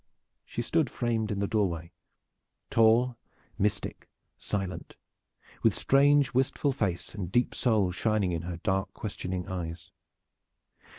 She stood framed in the doorway, tall, mystic, silent, with strange, wistful face and deep soul shining in her dark, questioning eyes.